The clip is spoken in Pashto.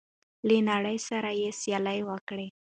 له نړۍ سره سیالي وکړئ.